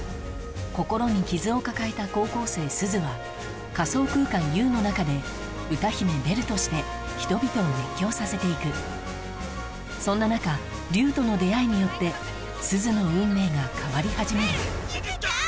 心に傷を抱えた高校生「すず」は仮想空間「Ｕ」の中で歌姫ベルとして人々を熱狂させて行くそんな中竜との出会いによってすずの運命が変わり始める・すずちゃん！